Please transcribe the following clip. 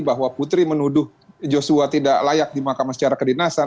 bahwa putri menuduh yosua tidak layak di mahkamah secara kedinasan